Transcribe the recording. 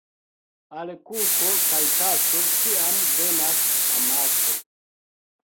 Al kuko kaj kaso ĉiam venas amaso.